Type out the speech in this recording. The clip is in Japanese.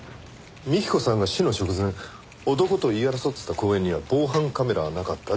幹子さんが死の直前男と言い争っていた公園には防犯カメラはなかった。